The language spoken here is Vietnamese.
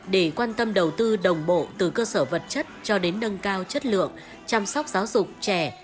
để quan tâm đầu tư đồng bộ từ cơ sở vật chất cho đến nâng cao chất lượng chăm sóc giáo dục trẻ